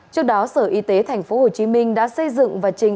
trước đó sở y tế tp hcm đã xây dựng và trình